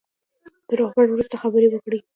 د روغبړ وروسته خبرې وکړې.